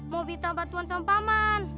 mau bintang bantuan sama paman